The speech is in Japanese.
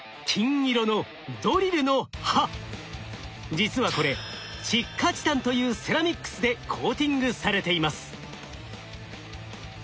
実はこれ窒化チタンというセラミックスでコーティングされています。